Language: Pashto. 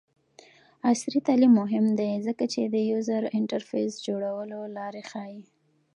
عصري تعلیم مهم دی ځکه چې د یوزر انټرفیس جوړولو لارې ښيي.